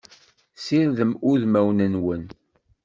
Sirdem udmawen-nwen!